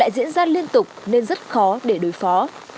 diễn ra liên tục nên rất khó để đối phó